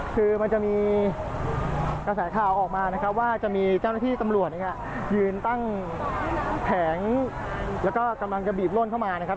คือมันจะมีกระแสข่าวออกมานะครับว่าจะมีเจ้าหน้าที่ตำรวจยืนตั้งแผงแล้วก็กำลังจะบีบล่นเข้ามานะครับ